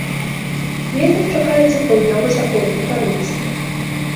Вецер чакаецца паўднёва-заходні парывісты.